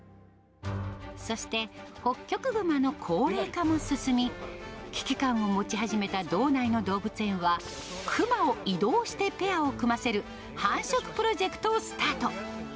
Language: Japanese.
そして、ホッキョクグマの高齢化も進み、危機感を持ち始めた道内の動物園は、クマを移動してペアを組ませる、繁殖プロジェクトをスタート。